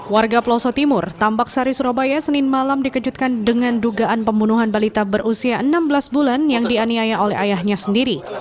warga peloso timur tambak sari surabaya senin malam dikejutkan dengan dugaan pembunuhan balita berusia enam belas bulan yang dianiaya oleh ayahnya sendiri